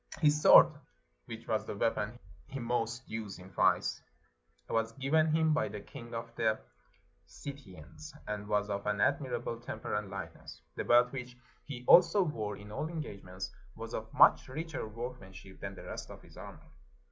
His sword, which was the weapon he most used in fight, was given him by the king of the Citieans, and was of an admirable temper and lightness. The belt which he also wore in all engagements, was of much richer workmanship than the rest of his armor.